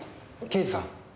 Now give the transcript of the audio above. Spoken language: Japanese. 刑事さん。